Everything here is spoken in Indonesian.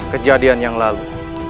kejadian yang lalu